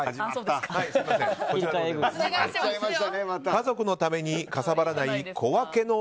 家族のためにかさばらない小分けの。